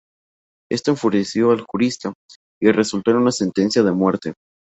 Esto enfureció al jurista y resultó en una sentencia de muerte.